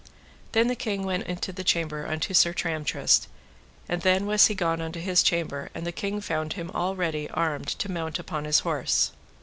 Then the king went into the chamber unto Sir Tramtrist, and then was he gone unto his chamber, and the king found him all ready armed to mount upon his horse.